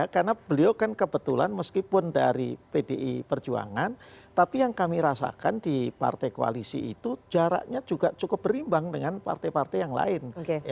karena beliau kan kebetulan meskipun dari pdi perjuangan tapi yang kami rasakan di partai koalisi itu jaraknya juga cukup berimbang dengan partai partai yang lain